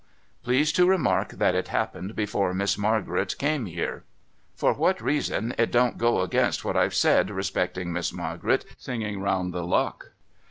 Please to remark that it happened before Miss Margaret came here. For which reason it don't go against what I've said respecting Miss Margaret singing round the luck.